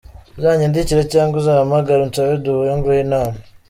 uzanyandikire cg uzampamagare unsabe duhure nguhe inama,.